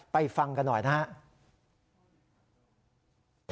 ฟังกันหน่อยนะครับ